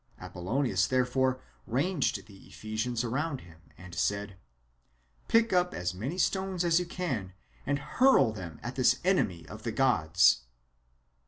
Apollonius therefore ranged the Ephesians' around him and said: " Pick up as many stones as you can and hurl them at this enemy of the gods."